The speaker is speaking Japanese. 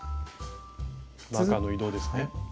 マーカーの移動ですね。